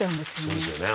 「そうですよね。